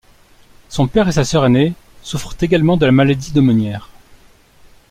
Son père et sa sœur aînée souffrent également de la maladie de Menière.